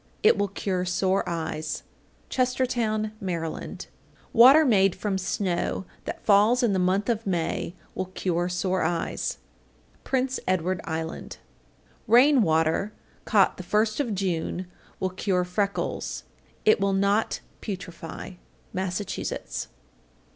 It will cure sore eyes. Chestertown, Md. 839. Water made from snow that falls in the month of May will cure sore eyes. Prince Edward Island. 840. Rain water caught the first of June will cure freckles. It will not putrefy. _Massachusetts.